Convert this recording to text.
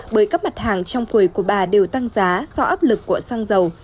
bởi các mặt hàng trong quầy của bà đều tăng giá do áp lực của xăng dầu